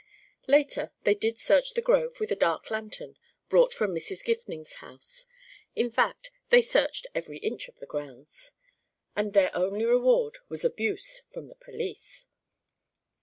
Later they did search the grove with a dark lantern brought from Mrs. Gifning's house; in fact, they searched every inch of the grounds, and their only reward was abuse from the police.